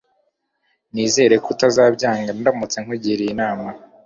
Nizere ko utazabyanga ndamutse nkugiriye inama.